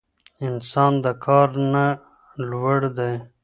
انسان د کار نه لوړ دی.